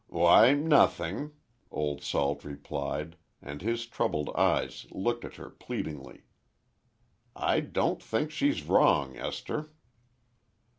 "Why, nothing," Old Salt replied, and his troubled eyes looked at her pleadingly. "I don't think she's wrong, Esther."